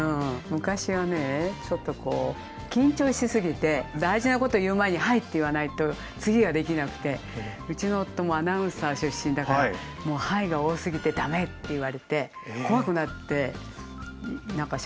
昔はねちょっとこう緊張しすぎて大事なこと言う前に「はい」って言わないと次ができなくてうちの夫もアナウンサー出身だから「『はい』が多すぎて駄目」って言われて怖くなって何かしゃべれなくなったこと思い出しました。